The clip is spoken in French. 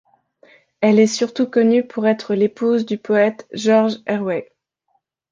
Elle est surtout connue pour être l'épouse du poète Georg Herwegh.